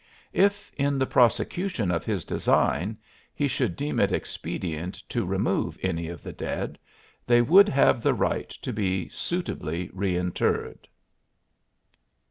If in the prosecution of his design he should deem it expedient to remove any of the dead they would have the right to be suitably reinterred.